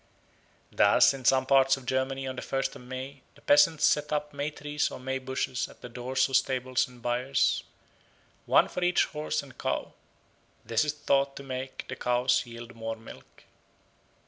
Thus in some parts of Germany on the first of May the peasants set up May trees or May bushes at the doors of stables and byres, one for each horse and cow; this is thought to make the cows yield much milk.